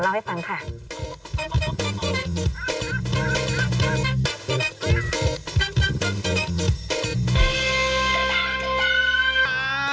ลอตเตอรี่โอละเวงช่วงหน้าเป็นอย่างไร